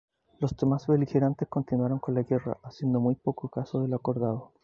Los demás beligerantes continuaron con la guerra haciendo muy poco caso de lo acordado.